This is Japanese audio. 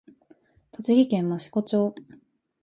栃木県益子町